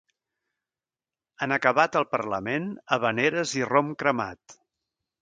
En acabat el parlament, havaneres i rom cremat.